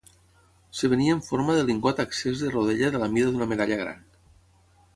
Es venia en forma de lingot accés de Rodella de la mida d'una medalla gran.